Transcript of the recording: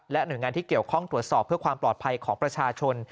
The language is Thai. หน่วยงานที่เกี่ยวข้องตรวจสอบเพื่อความปลอดภัยของประชาชน